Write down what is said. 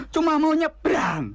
cuma mau nyebrang